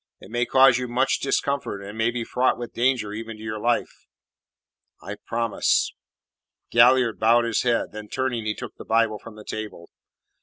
"It may cause you much discomfort, and may be fraught with danger even to your life." "I promise." Galliard bowed his head; then, turning, he took the Bible from the table.